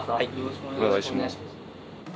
お願いします。